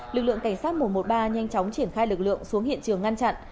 lực lượng cảnh sát một trăm một mươi ba nhanh chóng triển khai lực lượng xuống hiện trường ngăn chặn